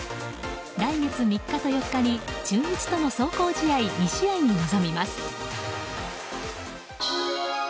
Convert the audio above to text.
来月３日と４日に中日との壮行試合２試合に臨みます。